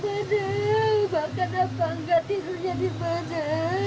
bahkan apa tidak tidurnya di mana